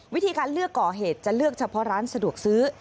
วิธีการเลือกก่อเหตุจะเลือกเฉพาะร้านสะดวกซื้อ